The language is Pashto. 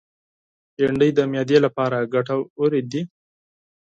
بېنډۍ د معدې لپاره ګټوره ده